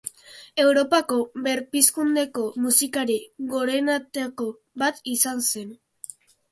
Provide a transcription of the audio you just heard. Europako Berpizkundeko musikari gorenetako bat izan zen.